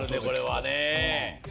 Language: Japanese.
これはねえ